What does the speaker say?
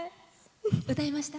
歌えました？